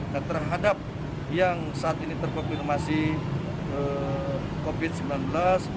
dan terhadap yang saat ini terkontimasi covid sembilan belas